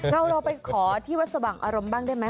เราไปขอที่วัดสว่างอารมณ์บ้างได้ไหม